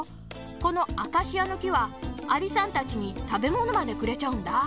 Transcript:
このアカシアのきはアリさんたちにたべものまでくれちゃうんだ。